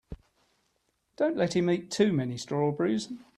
Don't let him eat too many strawberries.